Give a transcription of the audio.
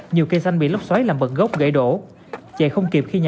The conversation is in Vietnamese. nhiều cây xanh bị lốc xoáy làm bậc gốc gãy đổ